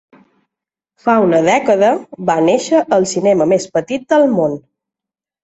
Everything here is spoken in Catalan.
Fa una dècada va néixer “el cinema més petit del món”.